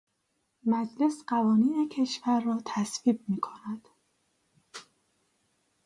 مجلس قوانین کشور را تصویب میکند